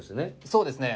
そうですね。